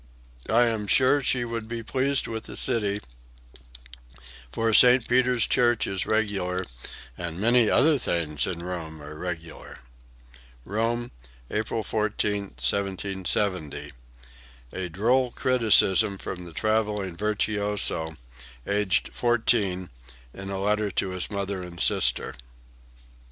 I am sure she would be pleased with the city, for St. Peter's church is regular, and many other things in Rome are regular." (Rome, April 14, 1770. A droll criticism from the traveling virtuoso, aged 14, in a letter to his mother and sister.)